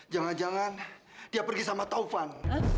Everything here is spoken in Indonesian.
jangan jangan dia pergi sama taufan